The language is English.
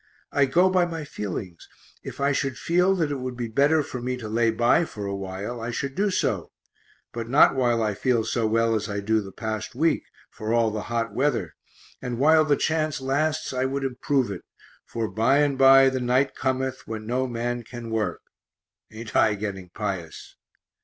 I go by my feelings if I should feel that it would be better for me to lay by for a while, I should do so, but not while I feel so well as I do the past week, for all the hot weather; and while the chance lasts I would improve it, for by and by the night cometh when no man can work (ain't I getting pious!).